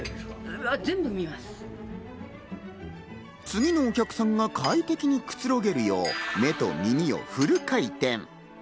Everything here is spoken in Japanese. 次のお客さんが快適にくつろげるよう、目と耳をフル回転。